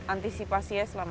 antisipasinya selama ini